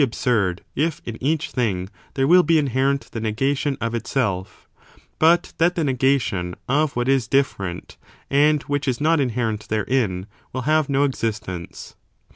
absurd if in each thing there will be inherent the negation of itself, but that the negation of what is different, and which is not inherent therein, will have no existence.